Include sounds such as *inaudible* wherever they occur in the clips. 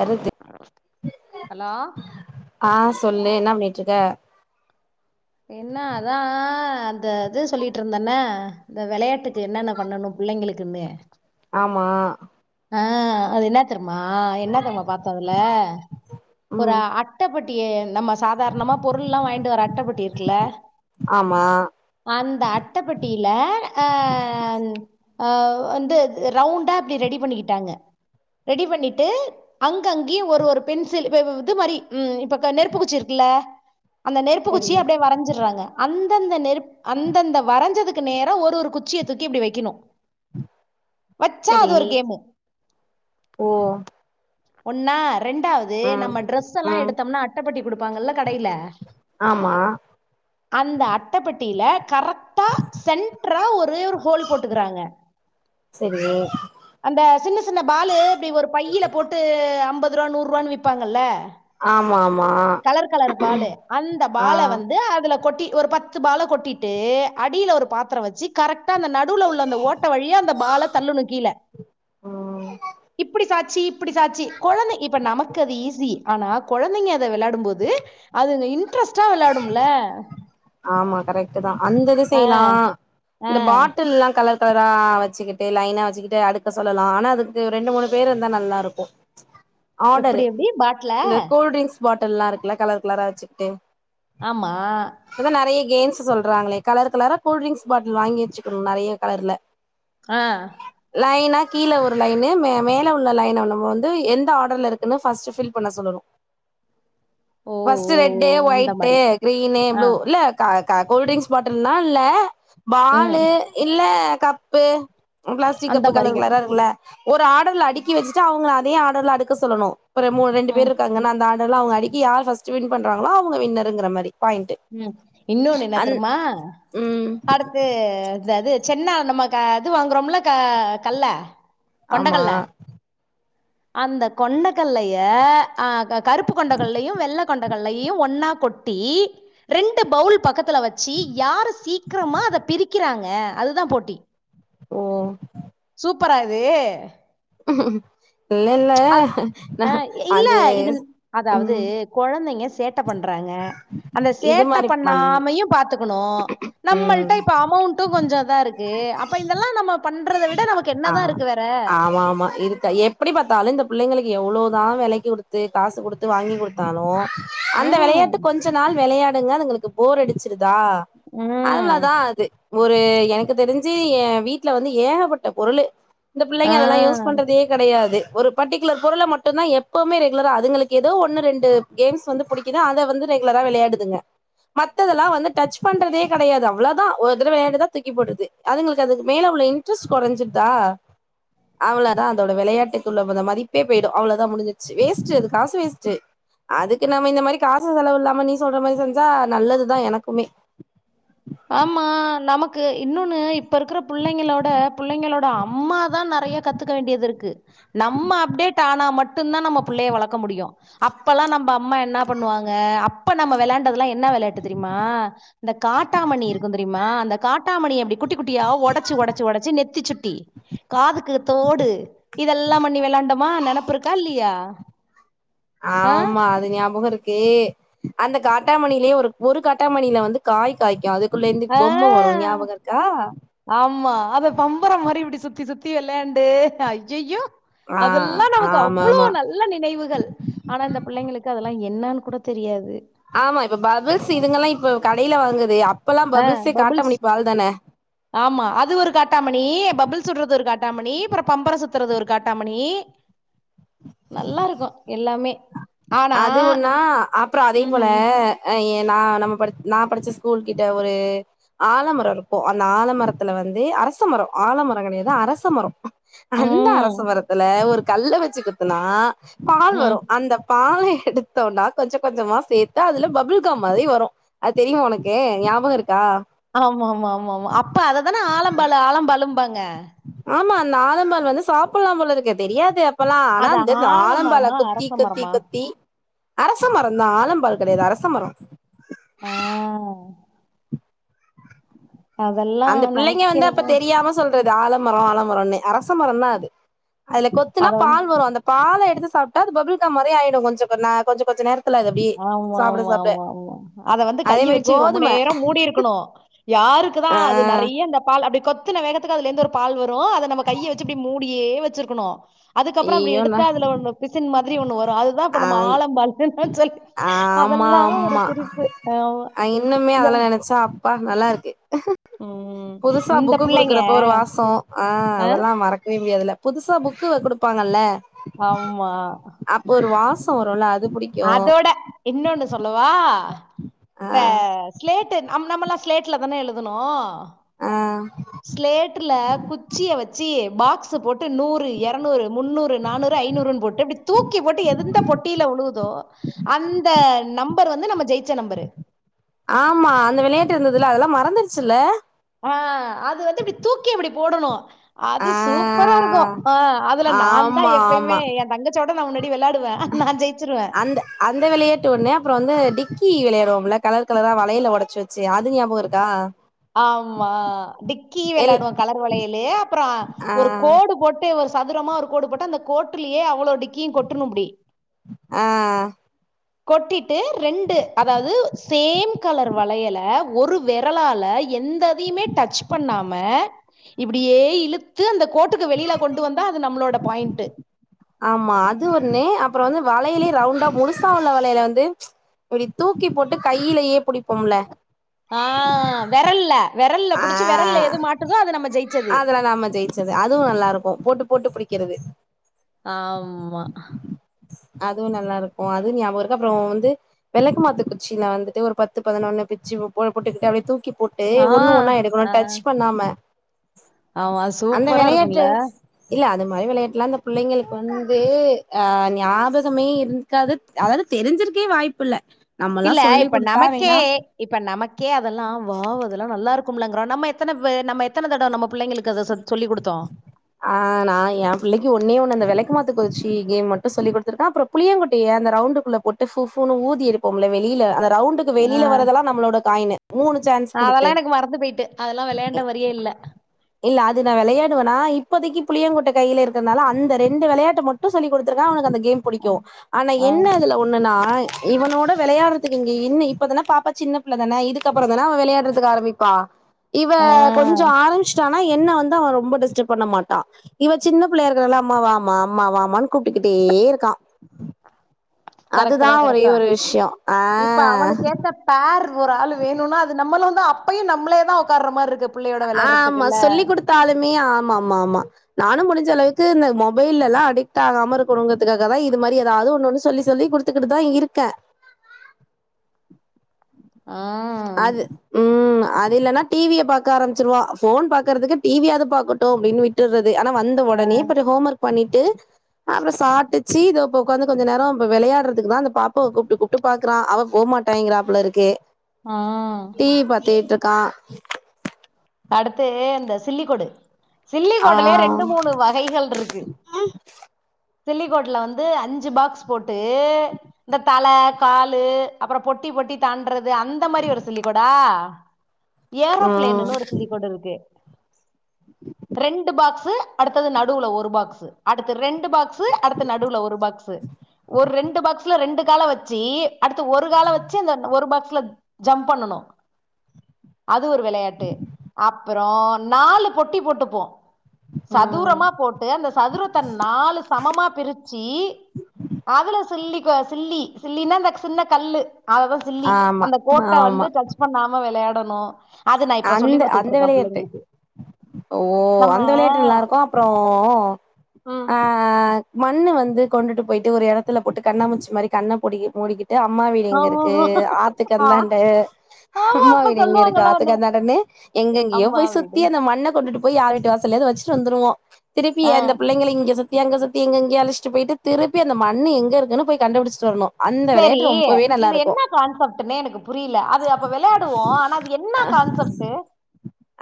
வருது ஹலோ ஆ சொல்லு என்ன பண்ணிட்டு இருக்க என்ன அதா அந்த இது சொல்லிட்டு இருந்தேனே இந்த வெளையாட்டுக்கு என்னென்ன பண்ணணு பிள்ளைங்களுக்குன்னு ஆமா ஆ அது என்னா தெருமா என்ன தெருமா பாத்தோ அதுல ஒரு ம் அட்டப்பட்டி நம்ம சாதாரணமா பொருள்லா வாங்க்ட்டு வர அட்டப்பட்டி இருக்குல்ல ஆமா அந்த அட்டப்பட்டில ஆ அ வந்து அது ரௌண்டா இப்டி ரெடி பண்ணிக்கிட்டாங்க ரெடி பண்ணிட்டு அங்கங்கி ஒரு ஒரு பென்சில் இப்ப இது மாரி இப்ப நெருப்பு குச்சி இருக்குல்ல அந்த நெருப்பு சரி குச்சியே அப்டியே வரஞ்சிர்றாங்க அந்தந்த நெருப் அந்தந்த வரஞ்சது க்கு நேரா ஒரு ஒரு குச்சிய தூக்கி இப்டி வைக்கணு வச்சா அது செரி ஒரு கேமு ஓ ஒன்னா ரெண்டா து ம் நம்ம ட்ரெஸ் எல்லா ம் எடுத்தோம்னா அட்டப்பட்டி குடுப்பாங்கல்ல கடைல ஆ அந்த அட்டப்பெட்டியில கரெக்டா சென்ட்ரா ஒரே ஒரு ஹோல் போட்டுக்குறாங்க செரி அந்த சின்ன சின்ன பாலு இப்டி ஒரு பையில போட்டு அம்பதுருவா நூருவான்னு விப்பாங்கல்ல ஆமா ஆமா கலர் கலர் பாலு அந்த ஆ பால வந்து அதுல கொட்டி ஒரு பத்து பால கொட்டிட்டு அடில ஒரு பாத்திர வச்சு கரெக்டா அந்த நடுல உள்ள அந்த ஓட்ட வழியா அந்த பால தள்ளுனு கீழ ம் சாச்சி இப்டி சாச்சி கொழந்த இப்ப நமக்கு அது ஈஸி ஆனா கொழந்தைங்க அத வெளாடும்போது அதுங்க இன்ட்ரெஸ்ட்டா வெளாடும்ல ஆமா கரெக்ட்தா அந்த இது செய்லா ஆ இந்த பாட் ட்டுல்லா கலர் கலரா வச்சுக்கிட்டு லைனா வச்சுக்கிட்டு அடுக்க சொல்லலா ஆனா அதுக்கு ரெண்டு மூணு பேர் இருந்தா நல்லாருக்கு எப்படி ஆடரு எப்படி பாட்டில இந்த கூல் ட்ரிங்க்ஸ் பாட்டில்லா இருக்குல்ல கலர் கலரா வச்சுகிட்டு ஆமா நெறைய கேம்ஸ் சொல்றாங்களே கலர் கலரா கூல் ட்ரிங்க்ஸ் பாட்டில் வாங்கி வச்சுக்கணு நெறைய கலர்ல ஆ லைனா கீழ ஒரு லைனு மேல உள்ள லைன நம்ம வந்து எந்த ஆர்டர்ல இரு ன்னு ஃபர்ஸ்ட் ஃபில் பண்ண சொல்லணு ஓ ஃபர்ஸ்ட் ஓ ரெட்டு ஓ, அந்த மாதிரி ஒயட்டு் க்ரீனு ஆ இல்ல க க கூல்ட்ரிங்க்ஸ் பாட்டல்னா இல்ல ம் பாலு இல்ல கப்பு பிளாஸ்டிக் அந்த கப்பு கலர் மாதிரியும் கலரா இருக்குல்ல ஒரு ஆடர்ல அடக்கி வச்சுட்டு அவங்கள அதே ஆடர்ல அடுக்க சொல்லணு இப்ப மூணு ரெண்டு பேரு ம் இருக்காங்கன்ன அந்த அதல்ல அவங்க அடிக்க யார் ஃபஸ்ட் வின் பண்றாங்களோ அவங்க வின்னர்ங்கிற மாரி பாயிண்ட்டு ம் இன்னொன்னு என்ன அந் தெருமா ம் அடுத்து இது அது சென்னா நம்ம அது வாங்குறோம்ல க கல்ல ஆமா கொண்டகல்ல அந்த கொண்டகல்லய ஆ கருப்பு கொண்டகல்லயு வெள்ள கொண்டகல்லயு ஒன்னா கொட்டி ரெண்டு பவுல் பக்கத் துல வச்சி யாரு சீக்ரமா அத பிரிக்கிறாங்க அதுதா போட்டி ஓ சூப்பரா இது இல்ல இல்ல அ நா ஆ இல்ல அது இது அதாவது ம் கொழந்தைங்க சேட்ட பண்றாங்க அந்த இது சேட்ட மாரி பண் பண்ணாமையு பாத்துக்கணு ம் நம்மள்ட்ட இப்ப அமௌண்ட்டு கொஞ்சதா இருக்கு அப்ப இதெல்லா நம்ம பண்றத விட நமக்கு ஆ என்னதா இருக்கு வேற ஆமா ஆமா இருக்க எப் எப்டி பாத்தாலு இந்த பிள்ளைங்களுக்கு எவ்ளோதா வெலைக்கு குடுத்து காசு குடுத்து வாங்கி குடுத்தாலு அந்த ம் வெளையாட்டு கொஞ்ச நாள் வெளையாடுங்க அதுங்களுக்கு போர் அடிச்சிருதா உம் அதுவளதான் அது ஒரு எனக்கு தெரிஞ்சு என் வீட்டுல வந்து ஏகப்பட்ட பொருளு இந்த பிள்ளைங்க அதெல்லாம் ஆ யூஸ் பண்றதே கிடையாது ஒரு பர்டிகுலர் பொருளை மட்டும்தான் எப்பவுமே ரெகுலராக அதுங்களுக்கு ஏதோ ஒண்ணு ரெண்டு கேம்ஸ் வந்து பிடிக்கு இல்ல அதை வந்து ரெகுலரா விளையாடுதுங்க மத்ததெல்லாம் வந்து டச் பண்றதே கிடையாது அவ்வளோ தான் ஒரு தடவ விளையாட்டு தா தூக்கி போட்டுருது அதுங்களுக்கு அது மேல உள்ள இ இன்டுரஸ்ட்டு குறைஞ்சிருதா அவளதான் அதோட விளையாட்டுக்குள்ள வந்த மதிப்பே போயிடும் அவளதான் முடிஞ்சச்சு வேஸ்ட் அது காசு வேஸ்டு அதுக்கு நம்ம இந்த மாதிரி காசு செலவு இல்லாம நீ சொல்ற மாதிரி செஞ்சா நல்லதுதான் எனக்குமே ஆமா நமக்கு இன்னொன்னு இப்ப இருக்கிற பிள்ளைங்களோட பிள்ளைங்களோட அம்மா தான் நிறைய கத்துக்க வேண்டியது இருக்கு நம்ம அப்டேட் ஆனா மட்டும்தான் நம்ம பிள்ளைய வளக்க முடியும் அப்பல்லாம் நம்ம அம்மா என்ன பண்ணுவாங்க அப்ப நம்ம விளையாண்டதெல்லாம் என்ன விளையாட்டு தெரியுமா இந்த காட்டு இருக்கு தெரியுமா அந்த காட்டாமணி அப்படி குட்டி குட்டியா உடைச்சு உடைச்சு உடைச்சு நெத்தி சுட்டி காதுக்கு தோடு இதெல்லாம் பண்ணி விளாண்டமா நினப்புருக்கா இல்லையா ஆ ஆமா அ அது ஞாபகம் இருக்கு அந்த காட்டாமணிலேயே ஒரு ஒரு காட்டாமணியில வந்து காய் காய்க்கும் அது உள்ளந்து பொமை வரும் ஆ ஞாபகம் இருக்கா ஆமா அத பம்பரம் மாரி இப்படி சுத்தி சுத்தி விளையாண்டு ஐயையோ ஆ அதெல்லாம் நமக்கு ஆமா அவ்வளவு ஆமா நல் நல்ல நினைவுகள் ஆனா இந்த பிள்ளைங்களுக்கு அதெல்லாம் என்னன்னு கூட தெரியாது ஆமா இப்ப பபிள்ஸ் இதுங்க எல்லாம் இப்ப கடையில வாங்குது அப்பெல்லா ஆஹ் பபிள்ஸே பப்ல்ஸ் காட்டாமணி பால் தான ஆமா அது ஒரு காட்டாமணி பபுள்ஸ் உடுறது ஒரு காட்டாமணி அப்புறம் பம்பர சுத்துறது ஒரு காட்டாமணி நல்லா இருக்கும் எல்லாமே ஆனா அது ஒண்ணா அப்புறம் அதே போல ம். அஹ் ஏ நான் நம்ம ப நான் படிச்ச ஸ்கூல் கிட்ட ஒரு ஆலமரம் இருக்கும் அந்த ஆலமரத்துல வந்து அரசமரம் ஆலமரம் கிடையாது அரசமரம் அந்த ம். அரசமரத்துல ஒரு கல் வச்சு குத்துனா பால் ம். வரும் அந்த பாலை எடுத்தோனா கொஞ்சம் கொஞ்சமா சேத்து அதுல பபுல்காம் மாதிரி வரும் அது தெரியுமா உனக்கு ஞாபகம் இருக்கா ஆமா ஆமா ஆமா ஆமா அப்ப அததானே ஆலம்பழ ஆலம்பழும்பாங்க ஆமா அந்த ஆலம்பழம் வந்து சாப்பலா போலருக்கு தெரியாது அப்பலா ஆனா அது இந்தந்த ஆலம்பல ஆலமரமா? கொத்தி அரச கொத்தி மரமா? கொத்தி அரச மரோ தா ஆலம்பலம் கெடையாது அரச மரோ ஆஹ் அதெல்லாம் அந்த பிள்ளைங்க வந்து அப்ப நெனைக்கிறப்போ தெரியாம சொல் து ஆலமரம் ஆலமரம் அரசமரம் தான் அது அதுல கொத்துனா அத வந்து பால் வரும் அந்தப் பால எடுத்து சாப்பிட்டா அது பப்பிள்கம் மாதிரியே ஆயிடும் கொஞ்ச கந கொஞ்ச கொஞ்நேரம் ஆமா ஆமா ஆமா ஆமா அத வந்து அதே கைய மாரி வச்சு ரொம்ப கோதும நேரம் மூடிருக்கு க்கணும் யாருக்கு தான் அ அது நிறைய அந்த பால் அப்படி கொத்தின வேகத் அதுல இருந்து ஒரு பால் வரும் அதை நம்ம கையை வச்சு அப்படி மூடியே வச்சிருக்கணும் அதுக்கப்புறம்ட அப்படி ஐயோண்ணா எடுத்தா அதுல ஒ பிசின் மாதிரி ஒன்னு வரும் அது தா இப்ப அ நம்ம ஆலம்பால்னு சொல்லி ஆமா அதெல்லாம் ஒரு ஆமா சிரிப்பு. ஆமா. அ இன்னுமே இந்த அதெல்லா நெனச் சாப்பா நல்லாருக்கு ம். புதுசா இந்த புக்கு பிள்ளைங்க குடுக்குறப்ப ஒரு வாசோ ஆ அ அதெல்லா மறக்கவே முடியாதுல புதுசா புக்கு குடுப்பாங்கல்ல ஆமா அப்ப ஒரு வாசோ வருல அது புடி அதோட இன்னொன்னு சொல்லவா ஆ பே ஸ்லேட்டு அம் நம்மல்லா ஸ்லேட்ல தானே எழுதுனோ ஆ ஸ்லேட்ல குச்சிய வச்சு பாக்ஸு போட்டு நூறு எரநூறு முன்னூறு நானூறு ஐநூறுன் போட்டு இப்டி தூக்கி போட்டு எந்த பொட்டில வுழுத் ஓ அந்த நம்பர் வந்து நம்ம ஜெயிச்ச நம்பரு ஆமா அந்த வெளையாட்டு இருந்துதுல அதெல்லா மறந்துருச்சுல்ல ஆ‌ அத வந்து இப்டி தூக்கி இப்டி போடணு அது சூப்பரா இருக்கூ ஆ ஆ அதுல நாந்தா ஆமா ஆமா எப்பயுமே ஏ தங்கச்சியோட நா முன்னாடி வெளாட் அந்த அந்த விளையாட்டு ஒன்னு அப்றோ வந்து டிக்கி விளையாடுவோல கலர் கலரா வளயல ஒடச்சு செ‌ அது ஞாபகோ இருக்கா ஆமா டிக்கி எல் வெளயாடுவோ கலர் வளையலு அப்றோ ஆ ஒரு கோடு போட் டு ஒரு சதுரமா ஒரு கோடு போட்டு அந்த கோட்டிலயே அவ்ளோ டிக்கீயு கொட்ணுப்டி ஆ கொட்டிட்டு ரெண்டு அதாவ்து சேம் கலர் வளையல ஒரு வெரலால எந்ததியுமே டச் பண்ணாம இப்டியே இழுத்து அந்த கோட் டுக்கு வெளில கொண்டு வந்தா அது நம்ளோட பாயிண்ட்டு ஆமா அது ஒன்னு அப்றோ வந்து வளைலே ரவுண்டா முழுசா உள்ள வளைல வந்து இப்டி தூக்கி போட்டு கையிலேயே புடிப்போம்ல ஆ‌ வெரல்ல வெரல்ல ஆ புடிச்சு வெரல்ல எது மாட்டுதோ அது நம்ம ஜெய்ச்சது அது நம்ம ஜெயி ச்சது அதுவு நல்லாருக்கூ போட்டு போட்டு புடிக்கிறது ஆம்மா அதுவு நல்லாருக்கூ அதுவு ஞாபகோ இருக்கு அப்றோ வந்து வெளக்க மாத்து குச்சி நா வந்துட்டு ஒரு பத்து பதுனொன்னு பிச்சு போ போட்டுக்கிட்டு அப்டியே தூக்கி போட்டு ஆ ஒன்னு ஒன்னா ஆ எடுக்கணு டச் பண்ணாம ஆமா அந்த சூப்பரா இருக்கூல விளையாட்டு இல்ல அது மாரி விளையாட்டுலா அந்த பிள்ளைங்களுக்கு வந்து ஆ ஞாபகமே இரு காது அதாவ்து தெரிஞ்சிருக்கே வாய்ப்பில்ல நம்மெல்லா இல்ல சொல்லி இப்ப குடுத்தா நமக்கே வேணா இப்ப நமக்கே அதெல்லா வாவ் அதெல்லா நல்லா இருக்குமுலங்கிறோ நம்ம எத்தன வ நம்ம எத்தன தடவ நம்ம பிள்ளைளுக்கு அத சொல்லி குடுத்தோ ஆ நா ஏ பிள்ளைக்கு ஒன்னே ஒன்னு அந்த வெளக்கு மாத்து குச்சி கேம் மட்டு சொல்லி குடுத்துருக்கே அப்றோ புளியங்கொட்டைய அந்த ரவுண்டுக்குள்ள போட்டு ஃபூ ஃபூன் ஊதி இருப்போம்ல வெளியில அந்த ரவுண்டுக் கு ஆ வெளியில வரதெல்லா நம்மளோட காயினு மூணு சான்ஸ் குடுத்து அதெல்லாம் எனக்கு மறந்து போயிட்டு அதெல்லாம் வெளையாண்ட மாரியே இல்ல இல்ல அது நா வெளையாடுவே நா இப் இப்பதிக்கி புளியங்கொட்ட கைல இருக்கத்னால அந்த ரெண்டு வெளயாட்ட மட்டு சொல்லி குடுத்துருக்கே அவனுக்கு அந்த கேம் ஆ புடிக்கூ ஆனா ஆ என்ன அதுல ஒன்னுனா இவனோட வெளையாட்றதுக்கு இங்க இன்னு இப்பதான பாப்பா சின்ன பிள்ள தான இதுக்கப்றோ தான அவ வெளையாட்றதுக்கு ஆரம்பிப்பா இவ ஆ கொஞ்சோ ஆரம்பிச்ட்டானா என்ன வந்து அவ ரொம்ப டிஸ்டர்ப் பண்ண மாட் டா இவ சின்ன பிள்ளையா இருக்குறால்ல அம்மா வாமா அம்மா வாமான் கூப்ட்டுக்கிட்டே இருக்கா கரெக்ட் அதுதா தான் ஒரே கரெக்ட் ஒரு விஷ்யோ ஆ ப்ப பார் ஒரு ஆள் வேணுனா அது நம்மளு தா அப்பயு நம்ளே தா ஒக்கார்ற மார்ருக்கு பிள்ளையோட வெளயாட்றதுக்கு இல்ல டாலுமே ஆமா ஆமா ஆமா நானு முடிஞ்சளவுக்கு இந்த மொபைல்லலா அடிக்ட் ஆகாம இருக்கணுங்க அதுக்காக தா இது மாரி ஏதாவ்து ஒன்னொன்னு சொல்லி சொல்லி குடுத் த்துக்கிட்டு தா இருக்கே ம் அது ம் அது இல்லனா டீ வி ய பாக்க ஆரம்பிச்சிருவா ஃபோன் பாக்கறதுக்கு டீ வி யாது பாக்கட்டு அப்டின்னு விட் டுறது ஆனா வந்த ஒடனே பதி ஹோம் ஒர்க் பண்ணிட்டு அப்றோ சாப்ட்டு சீ தோப்ப உக்காந்து கொஞ்ச நேரோ இப்ப வெளையாடுறதுக்கு தா இந்த பாப்பாவ கூப்ட்டு கூப்ட்டு பாக்றா அவ போமாட்டாய்ங்கிறாப்புல இருக்கு ஆ டீவி பாத்திட்டு இருக்கா அடுத்து இந்த சில்லிக்கோடு ஆ. சில்லிக்கோடலயே ரெண்டு மூணு வகைகள் இருக்கு சில்லிக்கோட்ல வந்து அஞ்சு பாக்ஸ் போட்டு இந்த தல காலு அப்புறோ பொட்டி பொட்டி தாண்டறது அந்த மாரி ஒரு சில்லிக்கோடா ம். ஏரோபிளேனுன்னு ஒரு கோடு இருக்கு ரெண்டு பாக்ஸு அடுத்தது நடுவுல ஒரு பாக்ஸு அடுத்து ரெண்டு பாக்ஸு அடுத்த நடுவுல ஒரு பாக்ஸு ஒரு ரெண்டு பாக்ஸ்ல ரெண்டு கால வச்சு அடுத்து ஒரு கால வச்சு அந்த ஒரு பாக்ஸ்ல ஜம்ப் பண்ணனு அது ஒரு வெளையாட்டு அப்புறோ நாலு பொட்டி போட்டுப்போ ம். சதுரமா போட் டு அந்த சதுரத்த நாலு சமமா பிரிச்சு அதுல சில்லி கோ சில்லி சில்லினா அந்த சின்ன கல்லு அததா சில்லி ஆமா, அந்த கோட்ட வந்து ஆமா. டச் பண்ணாம வெளையாடணு அது நா இப்ப சொல்லி் அந்த குடுத் அந்த ருக்க விளையாட்டு. புள்ளைங்களுக்கு ஓ அந்த வெளையாட்டு நல்லா இருக்கு அப்புற ம் ஆ ஆ மண்ணு வந்து கொண்டுட்டு போயிட்டு ஒரு எடத்துல போட்டு கண்ணாமூச்சி மாரி கண்ண போடிகு மூடிக்கிட் டு அம்மா வீடு எங்க இருக்கு ஆமாமா ஆத்துக்கு ஆ அந்தாண்ட ஆமா அம்மா அப்ப வீடு எங்க இருக்கு சொல்லுவாங்கல்ல ஆத் உன்ன துக் அந்தாண்டன்னு எங்கங்கையோ அம்மா போய் வீடு சுத்தி அந்த மண்ண கொண்டுட்டு போய் யார் வீட்டு வாசல்லயாது வச்சுட்டு வந்துருவோ திருப்பி ஆ அந்த புள்ளைங்கள இங்க சுத் தி அங்க சுத்தி எங்கங்கையோ அழச்சிட்டு போயிட்டு திருப்பி அந்த மண்ணு எங்க இருக்குன்னு போய் கண்டுபிடிச்சட்டு வரணு அந்த சேரி விளையாட்டு ரொம்பவே நல்லா இது இருக்கு என்ன கான்செப்ட்டுன்னே எனக்கு புரியில அது அப்போ வெளையாடுவோ ஆனா அது என்ன கான்செப்ட்டு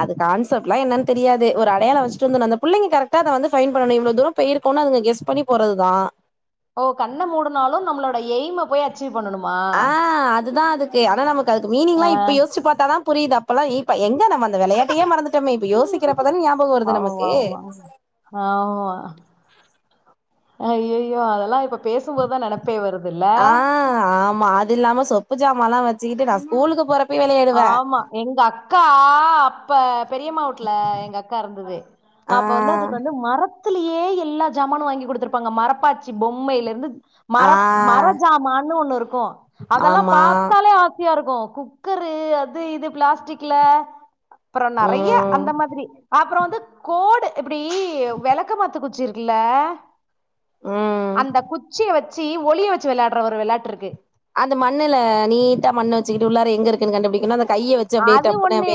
அது கான்செப்ட்லா என்னன்னு தெரியாது ஒரு அடையாள வச்சிட்டு வந்துர்ணு அந்த புள்ளைங்க கரெட்டா அத வந்து ஃபைண்ட் பண்ணணு இவ்ளோ தூர இப்ப இருக்கோனா அதுங்க கெஸ் பண்ணி போறதுதா ஓ கண்ண மூடுனாலு நம்மளோட எய்ம போய் அச்சீவ் பண்ணணுமா ஆ அதுதா அதுக்கு ஆனா நமக்கு அதுக்கு மீனிங்லா ஆ இப்ப யோசிச்சு பாத்தாதா புரியுது அப்பெல்லா இப்ப எங்க நம்ம அந்த வெளையாட்டையே மறந்துட்டோமே இப்ப யோசிக்கிறப்ப தான ஞாபக வருது ஆமா நமக்கு ஆமா ஆமா ஐய்யய்யோ அதெல்லா இப்ப பேசும்போது தா நெனப் மே வருதுல்ல ஆ ஆமா அது இல்லாம சொப்பு சாமன்லா வச்சுக்கிட்டு நா ஸ்கூலுக்கு போற ஆமா எங்க அக்கா இப்ப பெரியம்மா வீட்ல எங்க அக்கா இருந்தது ஆ, அப்ப வந்து அதுக்கு வந்து மரத் துலேயே எல்லா ஜாமானு வாங்கி குடுத்துருப்பாங்க மரப்பாச்சி பொம்மையிலேருந்து ஆ, மரப் மர ஜமான்னு ஒன்னு இருக்கு அதெல்லா ஆமா. பாத்தாலே ஆசையா இருக்கு குக்கரு அது இது பிளாஸ்டிக்ல அப்ற நெறைய ம், அந்த மாதிரி அப்புற வந்து கோடு இப்டி வெளக்கமாத்து குச்சி இருக்குல்ல ம். அந்தக் குச்சிய வச்சு ஒளிய வச்சு வெளையாடுற ஒரு வெளையாட்டு இருக்கு அந்த மண்ணுல நீட்டா மண்ண வச்சுக்கிட்டு உள்ளார எங்க இருக்குன்னு கண்டுபுடிக்கணுன்னா அந்த கைய வச் அது ஒன்னு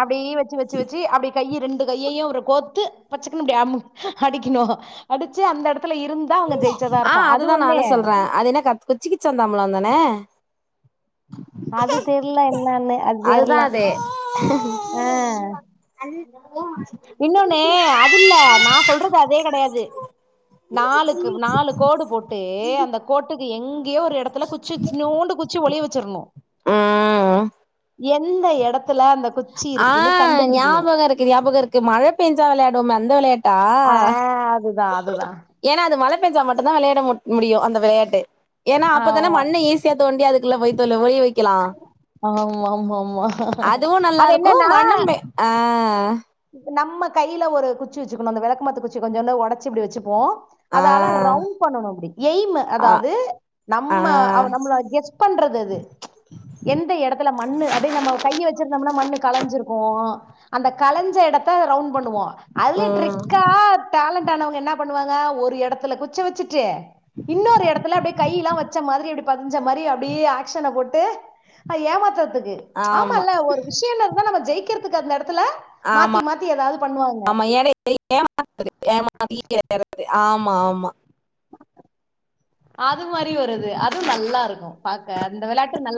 அப்டியே வச்சு வச் சு வச்சு அப்டி கையி ரெண்டு ரெண்டு கையையு அப்ற கோத்து பச்சக்குன்னு இப்டி அமுக் அடிக்கணு அடிச்சு அந்த எடத்துல இருந் ஆ அததா நானு சொல்ற அது என்ன கத் கிச்சிக்கிச்சாந்தாம்பழ தான அது தெர்ல என்னன்னு அது அதுதான் தெர்ல அது. ஆ இன்னொன்னு அது இல்ல நா சொல்றது அதே கெடையாது நாலுக்கு நாலு கோடு போட்டு அந்த கோட்டுக் கு எங்கயோ ஒரு எடத்துல குச்சி இத்துனோண்டு குச்சி ஒளிய வச்சிரணு ம் எந்த எடத்துல அந்த குச்சி ஆ இருக்குன்னு கண்டுபிடிக்கணும் ஞாபக இருக்கு ஞாபக இருக்கு மழை பேஞ்சா வெளையாடுவோமே அந்த வெளையாட்டா அதுதா அதுதா ஏன்னா அது மழை பெஞ்சா மட்டும்தா வெளையாட மு முடியு அந்த வெளையாட்டு ஏனா அப்பதானே ஆமா மண்ணஈசி குழிய தோண்டி அதுக்குள்ள *unintelligible* ஒளிய வைக் ஆமா ஆமா ஆமா அதுவு நல்லா அது இருக்கு என்னன்னா மண்ணும் பெ ஆ நம்ம கையில ஒரு குச்சி வச்சுக்கணு அந்த வெளக்கமாத்த குச்சி கொஞ்சோன்டு ஒடச்சு இப்டி வெச்சுகுவோ அதால ஆ ரவுண்ட் பண்ணனு அப்டி எய்ம் ஆ அதாவது ஆ நம்ம அவ நம்மள கெஸ் பண்றது அது எந்த எடத்துல மண்ணு அப்டியே நம்ம கைய வச்சிருந்தோம்னா மண்ணு கலஞ்சிருக்கோ அந்த கலஞ்ச எடத்த ரவுண்ட் பண்ணுவோ அதுலயு ம் ட்ரிக்கா டேலண்ட் ஆனவங்க என்ன பண்ணுவாங்க ஒரு எடத்துல குச்ச வச்சுட்டு இன்னொரு எடத்துல அப்டியே கையெல்லா வச்ச மாரி அப்டி பதிஞ்ச மாரி அப்டியே ஆக்க்ஷன போட்டு அ ஏமாத்துறதுக்கு ஆமா ஆமால்ல ஒரு விஷயம்னு இருந்தா நம்ம ஜெயிக்கிறதுக்கு அந்த எடத்துல ஆமா ஆமா ஏடே இது ஏமாத்துது ஏமாத்திட்டேருக்கு ஆமா ஆமா அது மாரி வருது அதுவு நல்லா இருக்கு பாக்க அந்த வெளாட்டு நல்லா